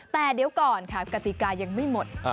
แต่เดี๋ยวก่อนค่ะกติกายังไม่หมด